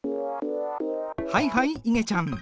はいはいいげちゃん。